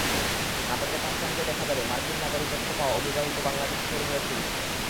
নাটকে তাহসানকে দেখা যাবে মার্কিন নাগরিকত্ব পাওয়া অবিবাহিত বাংলাদেশি তরুণের চরিত্রে।